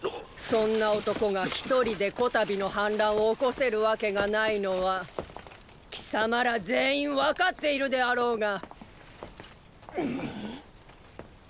そんな男が一人で此度の反乱を起こせるわけがないのは貴様ら全員分かっているであろうが！